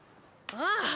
ああ！